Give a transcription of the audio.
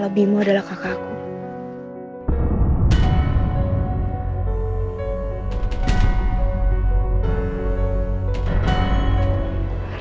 aku harus melangkah ke depan